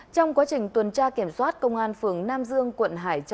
trong quá trình tuần tra kiểm soát công an phường nam dương quận hải châu